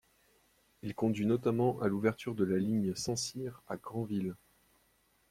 Il conduit notamment à l'ouverture de la ligne de Saint-Cyr à Granville.